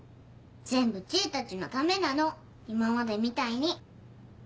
全部知恵たちのためなの今までみたいに。